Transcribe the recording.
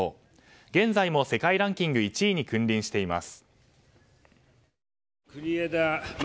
現在も世界ランキング１位に君臨しています。